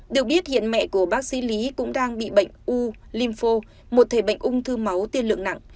được biết hiện mẹ của bác sĩ lý cũng đang bị bệnh u limpho một thể bệnh ung thư máu tiên lượng nặng